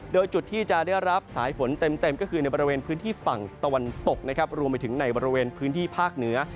โดยจุดที่จะได้รับสายฝนเต็มก็คือในบริเวณพื้นที่ฝั่งตะวันตกนะครับรวมไปถึงในบริเวณพื้นที่ภาคเหนือ